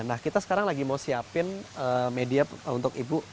nah kita sekarang lagi mau siapin media untuk ibu